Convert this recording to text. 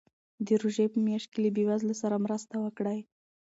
د روژې په میاشت کې له بېوزلو سره مرسته وکړئ.